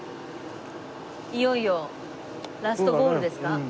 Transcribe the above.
いよいよラストゴールですか？